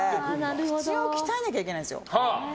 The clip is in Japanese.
口を鍛えなきゃいけないんですよ。